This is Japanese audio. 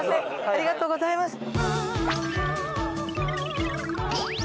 ありがとうございます。